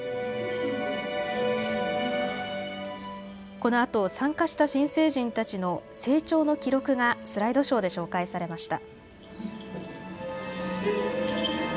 このあと参加した新成人たちの成長の記録がスライドショーで紹介されました。